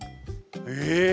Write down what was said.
え！